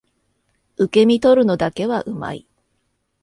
受け身取るのだけは上手い